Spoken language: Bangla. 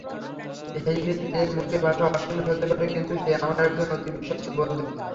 হেইমির-এর মুখের ভাষা অশ্লীল হতে পারে, কিন্তু সে আমার একজন অতি-বিশ্বস্ত বন্ধু।